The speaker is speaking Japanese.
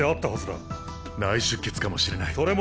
内出血かもしれない。